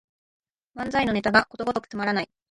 漫才のネタがことごとくつまらない